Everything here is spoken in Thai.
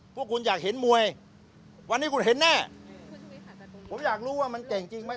พวกคุณอยากเห็นมวยวันนี้คุณเห็นแน่ผมอยากรู้ว่ามันเก่งจริงไหม